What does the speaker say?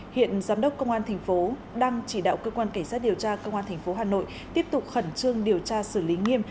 hiện giám đốc công an thành phố đang chỉ đạo cơ quan cảnh sát điều tra công an tp hà nội tiếp tục khẩn trương điều tra xử lý nghiêm